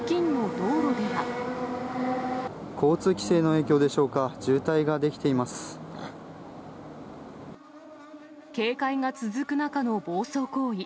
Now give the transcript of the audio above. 交通規制の影響でしょうか、警戒が続く中の暴走行為。